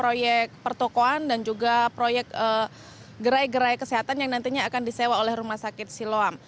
proyek pertokohan dan juga proyek gerai gerai kesehatan yang nantinya akan disewa oleh rumah sakit siloam